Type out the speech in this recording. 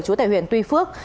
chú tại huyện tuy phước